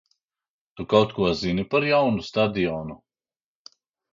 Tu kaut ko zini par jaunu stadionu?